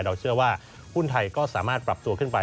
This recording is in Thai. เราเชื่อว่าหุ้นไทยก็สามารถปรับตัวขึ้นไป